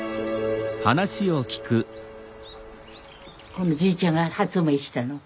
このじいちゃんが発明したの。